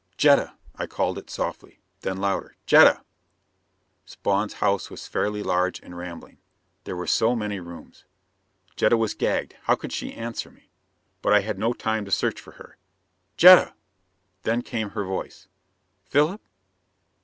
"Jetta!" I called it softly. Then louder. "Jetta!" Spawn's house was fairly large and rambling. There were so many rooms. Jetta was gagged; how could she answer me? But I had no time to search for her. "Jetta?" And then came her voice. "Philip?"